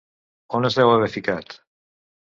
On es deu haver ficat?